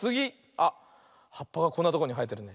あっはっぱがこんなとこにはえてるね。